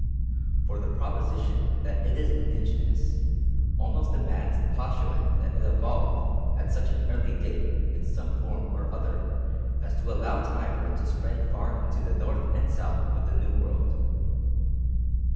For the proposition that it is indigenous almost demands the postulate that it evolved at such an early date in some form or other as to allow time for it to spread far into the north and south of the New World.